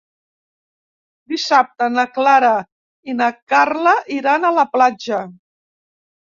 Dissabte na Clara i na Carla iran a la platja.